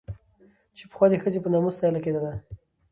چې پخوا د ښځې په نامه ستايله کېدله